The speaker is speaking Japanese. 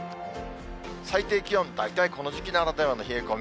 最低気温、大体この時期ならではの冷え込み。